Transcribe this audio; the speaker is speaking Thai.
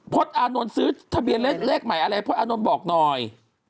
อานนท์ซื้อทะเบียนเลขใหม่อะไรพลตอานนท์บอกหน่อย